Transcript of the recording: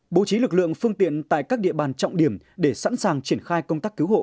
bố trí lực lượng phương tiện tại các địa bàn trọng điểm để sẵn sàng triển khai công tác cứu hộ